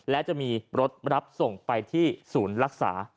และจะมีรถรับส่งไปที่ศูนย์รักษา